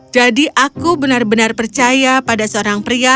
jadi aku benar benar percaya pada seorang pria